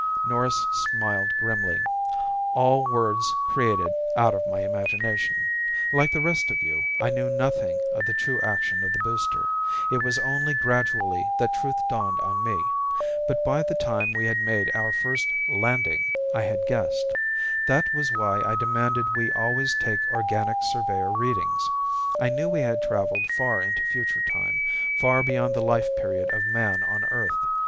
Norris smiled grimly. "All words created out of my imagination. Like the rest of you, I knew nothing of the true action of the booster. It was only gradually that truth dawned on me. But by the time we had made our first 'landing' I had guessed. That was why I demanded we always take organic surveyor readings. I knew we had traveled far into future time, far beyond the life period of man on Earth.